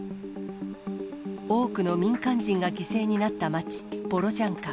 多くの民間人が犠牲になった街、ボロジャンカ。